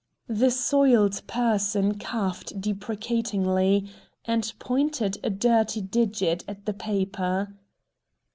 The soiled person coughed deprecatingly, and pointed a dirty digit at the paper.